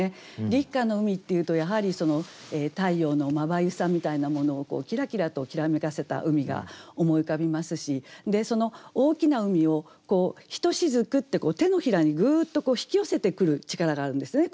「立夏の海」っていうとやはり太陽のまばゆさみたいなものをキラキラときらめかせた海が思い浮かびますし大きな海を「ひと雫」って掌にぐっと引き寄せてくる力があるんですね